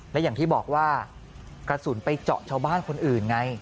และอย่างที่บอกว่ากระสุนไปเจาะชาวบ้านคนอื่นไง